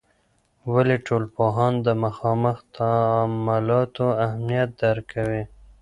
ولي ټولنپوهان د مخامخ تعاملاتو اهمیت درک کوي؟